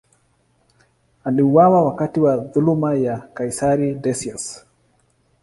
Aliuawa wakati wa dhuluma ya kaisari Decius.